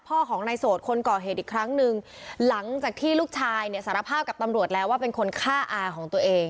พ่อของนายโสดคนก่อเหตุอีกครั้งหนึ่งหลังจากที่ลูกชายเนี่ยสารภาพกับตำรวจแล้วว่าเป็นคนฆ่าอาของตัวเอง